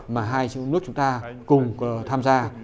mà hai nước chúng ta cùng tham gia